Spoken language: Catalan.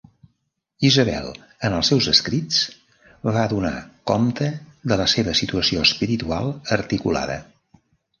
Isabel en els seus escrits va donar compte de la seva situació espiritual articulada.